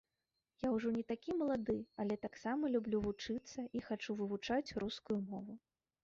Я ўжо не такі малады, але таксама люблю вучыцца і хачу вывучыць рускую мову.